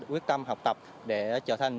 quyết tâm học tập để trở thành